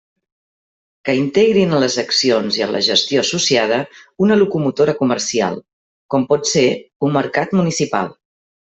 Que integrin en les accions i en la gestió associada una locomotora comercial, com pot ser un mercat municipal.